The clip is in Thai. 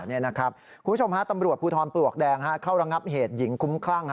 คุณผู้ชมฮะตำรวจภูทรปลวกแดงเข้าระงับเหตุหญิงคุ้มคลั่ง